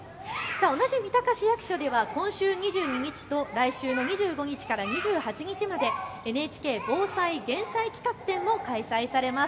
同じ三鷹市役所では今週２２日と来週の２５日から２８日までＮＨＫ防災・減災企画展も開催されます。